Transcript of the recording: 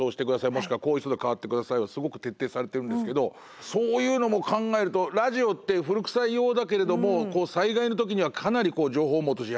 もしくはこういう人と代わってくださいをすごく徹底されてるんですけどそういうのも考えるとラジオって古くさいようだけれども災害の時にはかなり情報網として役に立ったりするから。